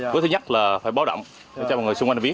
bước thứ nhất là phải báo động cho mọi người xung quanh biết